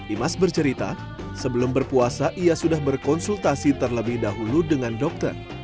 imas bercerita sebelum berpuasa ia sudah berkonsultasi terlebih dahulu dengan dokter